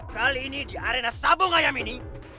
kali ini di arena sabung ayam ini